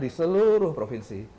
di seluruh provinsi